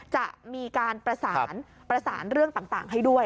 จะมีการประสานประสานเรื่องต่างให้ด้วย